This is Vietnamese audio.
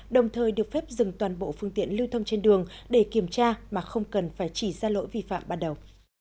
đồng thời được phép dừng toàn bộ phương tiện lưu thông trên đường để kiểm tra mà không cần phải chỉ ra lỗi vi phạm ban đầu